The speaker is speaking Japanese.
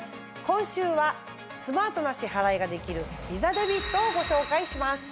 今週はスマートな支払いができるＶｉｓａデビットをご紹介します。